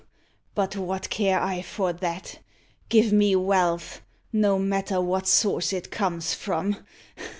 But what care I for that? Give me wealth no matter what source it comes from!